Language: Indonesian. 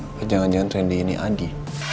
apa jangan jangan randy ini adi